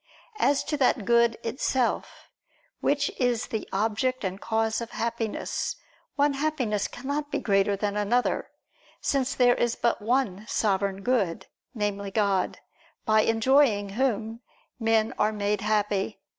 As to that Good itself, Which is the object and cause of Happiness, one Happiness cannot be greater than another, since there is but one Sovereign Good, namely, God, by enjoying Whom, men are made happy.